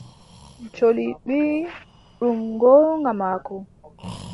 Colli mbii: ɗum goonga maako.